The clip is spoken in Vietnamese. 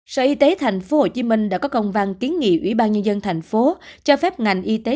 sở y tế tp hcm đã có công văn kiến nghị ủy ban nhân dân thành phố cho phép ngành y tế